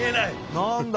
何だ？